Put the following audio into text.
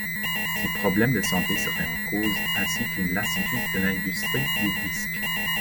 Ses problèmes de santé seraient en cause, ainsi qu'une lassitude de l'industrie du disque.